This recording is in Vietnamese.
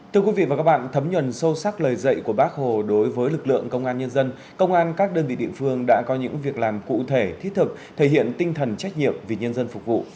thưa quý vị và các bạn thấm nhuận sâu sắc lời dạy của bác hồ đối với lực lượng công an nhân dân công an các đơn vị địa phương đã có những việc làm cụ thể thiết thực thể hiện tinh thần trách nhiệm vì nhân dân phục vụ